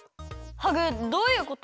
ハグどういうこと？